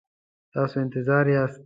تاسو انتظار یاست؟